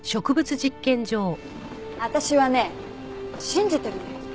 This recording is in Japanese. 私はね信じてるのよ